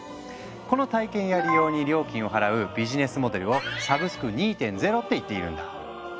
この体験や利用に料金を払うビジネスモデルを「サブスク２．０」って言っているんだ。